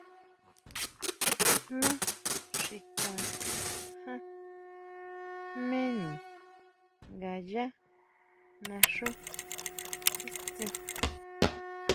¿Jmé xi kuan ján, jméni nga yá naxu titsín?